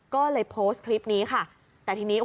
ก็เลยโพสต์คลิปนี้ค่ะแต่ทีนี้